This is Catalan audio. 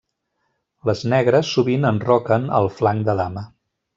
Les negres sovint enroquen al flanc de dama.